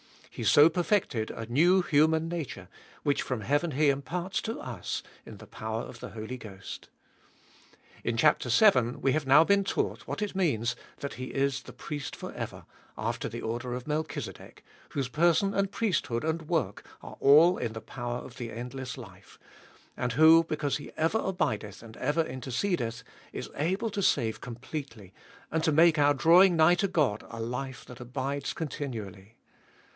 He so perfected a new human nature, which from heaven He imparts to us in the power of the Holy Ghost. In chap. vii. we have now been taught what it means that He is the Priest for ever, after the order of Melchizedek, whose person and priesthood and work are all in the power of the endless life, and who, because He ever abideth and ever intercedeth, is able to save completely, and to make our drawing nigh to God a life that abides continually.